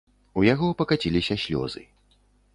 У яго пакаціліся слёзы.